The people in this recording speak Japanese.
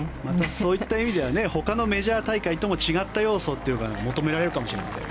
そういった意味では他のメジャー大会とも違った要素を求められるかもしれません。